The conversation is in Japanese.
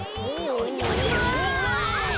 おじゃまします！